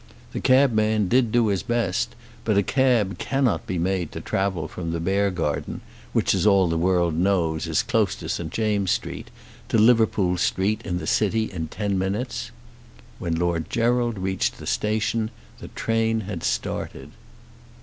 The cabman did do his best, but a cab cannot be made to travel from the Beargarden, which as all the world knows is close to St. James's Street, to Liverpool Street in the City in ten minutes. When Lord Gerald reached the station the train had started.